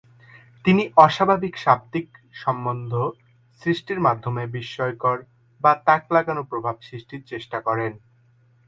তিনি অস্বাভাবিক শাব্দিক সম্বন্ধ সৃষ্টির মাধ্যমে বিস্ময়কর বা তাক লাগানো প্রভাব সৃষ্টির চেষ্টা করেন।